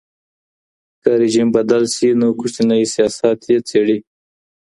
که رژيم بدل سي نو کوچنی سياست يې څېړي.